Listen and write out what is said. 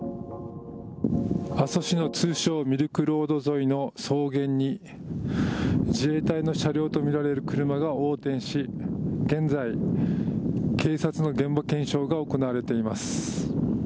阿蘇市の通称ミルクロード沿いの草原に自衛隊の車両とみられる車が横転し現在、警察の現場検証が行われています。